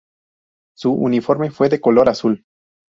Su uniforme fue de color azul.